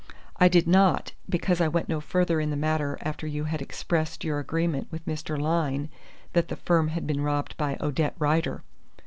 "I did not, because I went no further in the matter after you had expressed your agreement with Mr. Lyne that the firm had been robbed by Odette Rider."